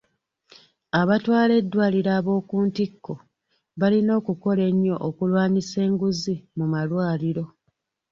Abatwala eddwaliro ab'okuntikko balina okukola ennyo okulwanyisa enguzi mu malwaliro.